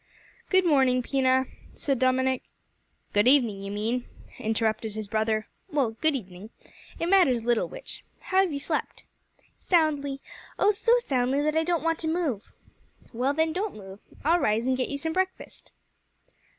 "Good morning, Pina," said Dominick. "Good evening, you mean," interrupted his brother. "Well, good evening. It matters little which; how have you slept?" "Soundly oh, so soundly that I don't want to move." "Well, then, don't move; I'll rise and get you some breakfast."